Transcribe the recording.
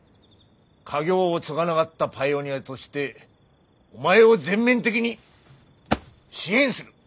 家業を継がながったパイオニアとしてお前を全面的に支援する！